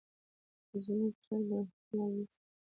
زموږ چرګه خپلې هګۍ ساتي.